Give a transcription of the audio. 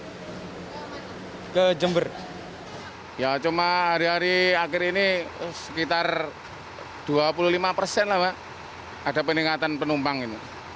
hai ke jember ya cuma hari hari akhir ini sekitar dua puluh lima persen lah pak ada peningkatan penumpang ini